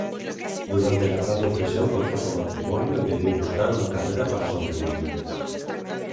Durante la Gran Depresión contrajo matrimonio y debió buscar una carrera para sobrevivir.